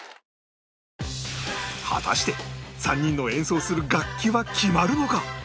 果たして３人の演奏する楽器は決まるのか？